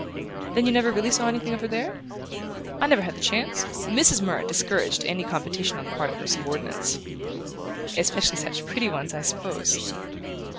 "Then you never really saw anything of her there?" "I never had the chance. Mrs. Murrett discouraged any competition on the part of her subordinates." "Especially such pretty ones, I suppose?"